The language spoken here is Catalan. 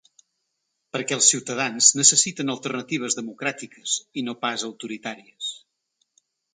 Perquè els ciutadans necessiten alternatives democràtiques i no pas autoritàries.